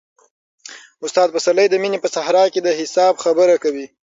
استاد پسرلی د مینې په صحرا کې د حساب خبره کوي.